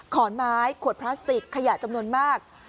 ขอนไม้ขวดพลาสติกขยะจำนวนมาก